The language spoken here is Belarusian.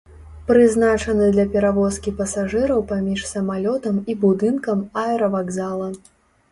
Прызначаны для перавозкі пасажыраў паміж самалётам і будынкам аэравакзала.